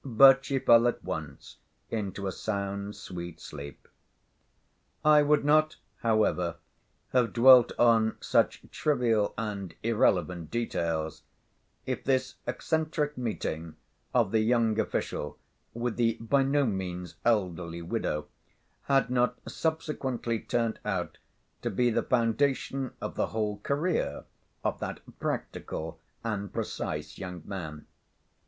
But she fell at once into a sound, sweet sleep. I would not, however, have dwelt on such trivial and irrelevant details, if this eccentric meeting of the young official with the by no means elderly widow had not subsequently turned out to be the foundation of the whole career of that practical and precise young man.